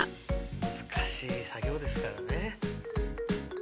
難しい作業ですからね。